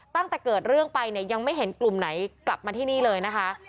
ตั้งแต่เกิดเรื่องไปเนี่ยยังไม่เห็นกลุ่มไหนกลับมาที่นี่เลยนะคะ